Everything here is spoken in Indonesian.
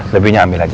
lebihnya ambil aja